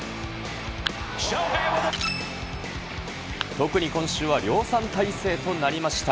特に今週は量産態勢となりました。